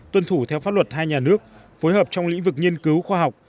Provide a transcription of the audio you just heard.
tuân thủ theo pháp luật hai nhà nước phối hợp trong lĩnh vực nghiên cứu khoa học